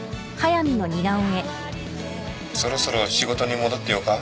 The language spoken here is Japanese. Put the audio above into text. そろそろ仕事に戻ってよか？